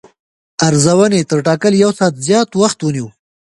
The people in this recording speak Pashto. ارزونې تر ټاکلي یو ساعت زیات وخت ونیو.